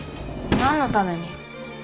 何のために？